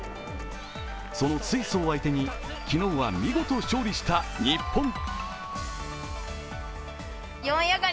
そのスイスを相手に昨日は見事勝利した日本。